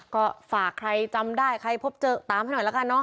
ก็ฝากใครจำได้ใครพบเจอตามให้หน่อยละกันเนอ